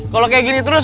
kalau kayak gini terus